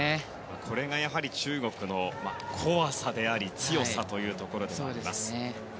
これがやはり中国の怖さであり強さでもあります。